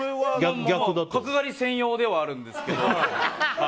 角刈り専用ではあるんですけど。